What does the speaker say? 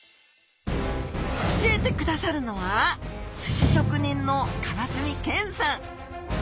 教えてくださるのは寿司職人の川澄健さん！